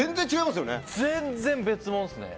全然、別物ですね。